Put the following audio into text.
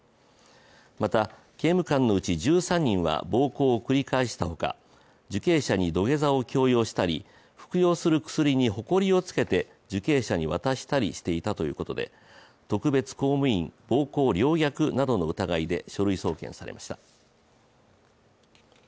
また刑務官のうち１３人は暴行を繰り返したほか、受刑者に土下座を強要したり服用する薬にほこりをつけて受刑者に渡したりしていたということで特別公務員暴行陵虐などの疑いで書類送検されました。